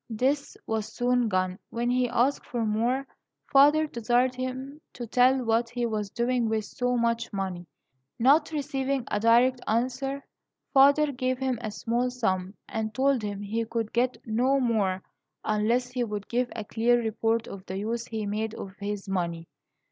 This was soon gone. When he asked for more, father desired him to tell what he was doing with so much money. Not receiving a direct answer, father gave him a small sum, and told him he could get no more unless he would give a clear report of the use he made of his money.